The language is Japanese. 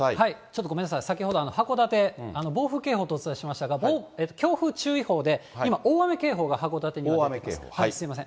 ちょっとごめんなさい、先ほど、函館、暴風警報とお伝えしましたが、強風注意報で、今、大雨警報が函館に出ています。